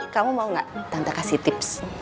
kamu mau gak tante kasih tips